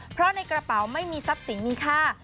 เพราะในกระเป๋าไม่มีทรัพย์สินมีค่า